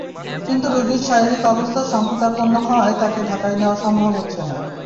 কিন্তু রোগীর শারীরিক অবস্থা সংকটাপন্ন হওয়ায় তাঁকে ঢাকায় নেওয়া সম্ভব হচ্ছে না।